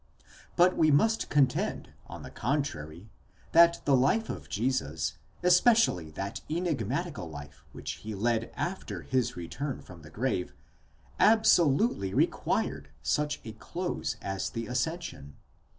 ® But we must contend, on the contrary, that the life of Jesus, especially that enigmatical life which he led after his return from the grave, absolutely re quired such a close as the ascension.